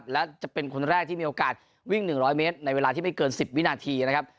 และจะเป็นคนแรกที่มีโอกาสวิ่ง๑๐๐เมตรในเวลาที่ไม่เกิน๑๐วินาทีนะครับ